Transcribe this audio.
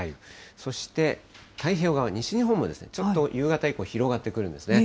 そして太平洋側、西日本もちょっと夕方以降、広がってくるんですね。